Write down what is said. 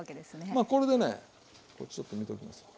まあこれでねこれちょっと見ときます。